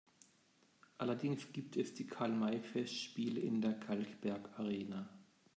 Allerdings gibt es die Karl-May-Festspiele in der Kalkbergarena.